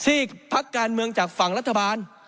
ซีกภักดิ์การเมืองจากฝั่งรัฐบาล